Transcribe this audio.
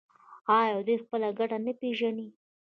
آیا دوی خپله ګټه نه پیژني؟